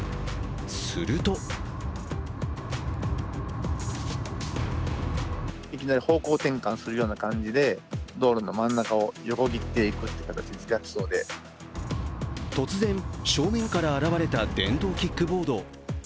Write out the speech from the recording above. すると突然、正面から現れた電動キックボード。